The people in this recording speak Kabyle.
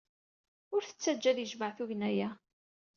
Ur t-ttajja ad yejmeɛ tugna-a.